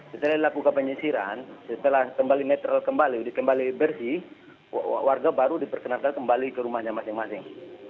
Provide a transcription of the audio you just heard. setelah dilakukan penyisiran setelah kembali netral kembali bersih warga baru diperkenankan kembali ke rumahnya masing masing